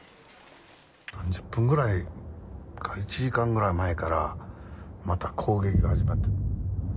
３０分ぐらいか１時間ぐらい前から、また攻撃が始まった。